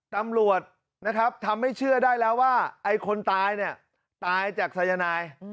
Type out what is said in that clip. ๓ตำรวจทำให้เชื่อได้แล้วว่าคนตายตายจากสายนาย